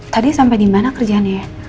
tadi sampe dimana kerjaan ya